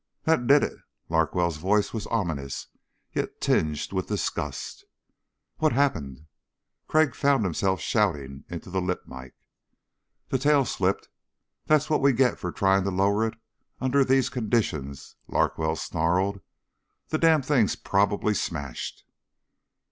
"That did it." Larkwell's voice was ominous, yet tinged with disgust. "What happened?" Crag found himself shouting into the lip mike. "The tail slipped. That's what we get for trying to lower it under these conditions," Larkwell snarled. "The damn thing's probably smashed."